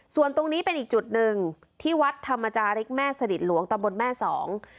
ส่วนตรงนี้เป็นอีกจุดหนึ่งที่วัดธรรมจาริกแม่สนิทหลวงตะบนแม่สอง